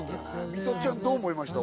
ミトちゃんどう思いました？